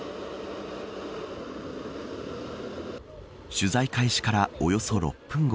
取材開始から、およそ６分後。